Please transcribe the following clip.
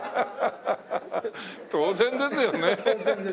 当然ですよね。